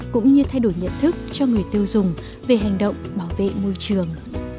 cũng như thay đổi nhận thức cho người tiêu dùng về hành động bảo vệ môi trường